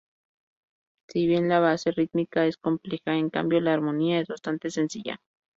Si bien la base rítmica es compleja, en cambio la armonía es bastante sencilla.